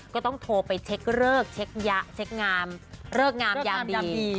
ก็ต้องโทรไปเช็คเลิกเช็คยะเช็คงามเลิกงามยามดี